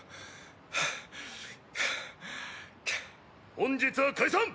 本日は解散！